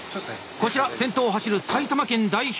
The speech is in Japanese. こちら先頭を走る埼玉県代表。